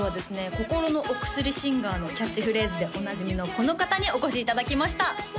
「心のお薬シンガー」のキャッチフレーズでおなじみのこの方にお越しいただきました